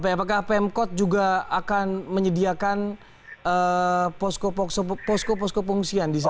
apakah pemkot juga akan menyediakan posko posko pengungsian di sana